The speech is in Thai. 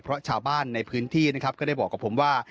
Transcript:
เพราะชาวบ้านในพื้นที่นะครับก็ได้บอกกับผมว่า